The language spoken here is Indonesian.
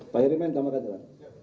pak heri main sama kata jalan